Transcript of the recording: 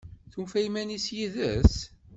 Tufa iman-is yid-s?